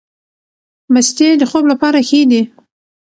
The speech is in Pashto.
مستې د خوب لپاره ښې دي.